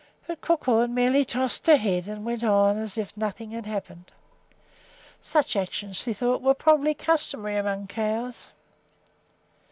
But Crookhorn merely tossed her head and went on as if nothing had happened. Such actions, she thought, were probably customary among cows.